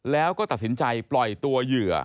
แล้วก็ตัดสินใจปล่อยตัวเหยื่อ